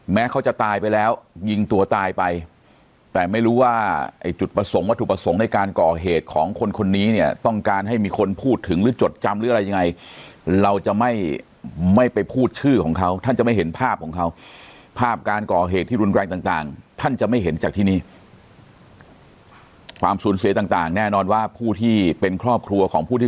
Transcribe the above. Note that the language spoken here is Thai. แม้เขาจะตายไปแล้วยิงตัวตายไปแต่ไม่รู้ว่าไอ้จุดประสงค์วัตถุประสงค์ในการก่อเหตุของคนคนนี้เนี่ยต้องการให้มีคนพูดถึงหรือจดจำหรืออะไรยังไงเราจะไม่ไม่ไปพูดชื่อของเขาท่านจะไม่เห็นภาพของเขาภาพการก่อเหตุที่รุนแรงต่างท่านจะไม่เห็นจากที่นี่ความสูญเสียต่างแน่นอนว่าผู้ที่เป็นครอบครัวของผู้ที่